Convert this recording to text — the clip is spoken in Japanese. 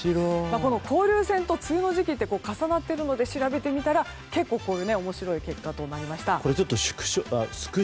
交流戦と梅雨の時期って重なっているので調べてみたら結構おもしろい結果でした。